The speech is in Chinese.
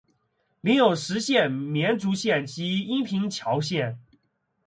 领有实县绵竹县及阴平侨县。